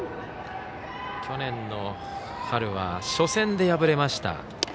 去年の春は初戦で敗れました。